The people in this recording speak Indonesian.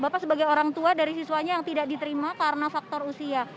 bapak sebagai orang tua dari siswanya yang tidak diterima karena faktor usia